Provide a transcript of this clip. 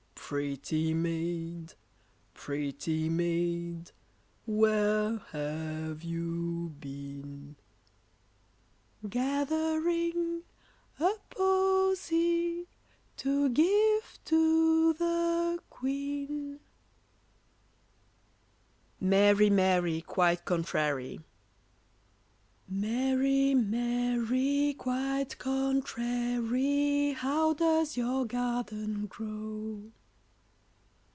] Pretty maid, pretty maid, where have you been? Gathering a posie to give to the Queen. [Illustration: MARY, MARY, QUITE CONTRARY.] Mary, Mary, quite contrary, How does your garden grow?